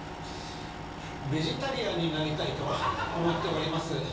ベジタリアンになりたいと思っております。